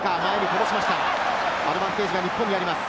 アドバンテージが日本にあります。